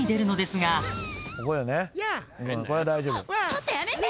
「ちょっとやめて！」